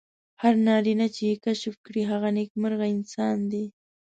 هر نارینه چې یې کشف کړي هغه نېکمرغه انسان دی.